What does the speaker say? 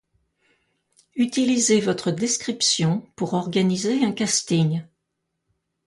utiliser votre description pour organiser un casting.